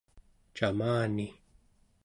camani